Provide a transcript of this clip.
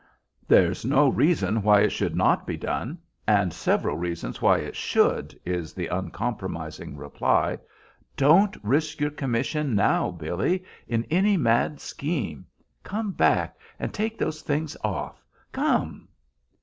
"There's no reason why it should not be done, and several reasons why it should," is the uncompromising reply. "Don't risk your commission now, Billy, in any mad scheme. Come back and take those things off. Come!"